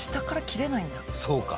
そうか。